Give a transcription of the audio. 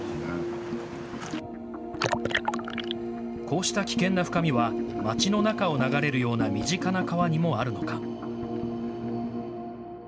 こうした危険な深みは街の中を流れるような身近な川にもあるのか。